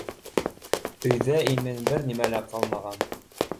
Өйҙә имен бер нимә лә ҡалмаған.